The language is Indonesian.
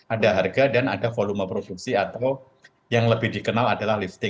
ada harga dan ada volume produksi atau yang lebih dikenal adalah lifting